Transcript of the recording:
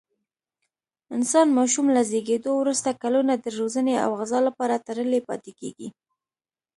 انسان ماشوم له زېږېدو وروسته کلونه د روزنې او غذا لپاره تړلی پاتې کېږي.